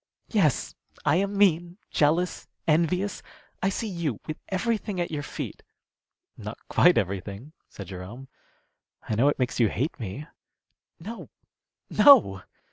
"Yes, I am mean, jealous, envious. I see you with everything at your feet " "Not quite everything," said Jerome. "I know it makes you hate me." "No! no!"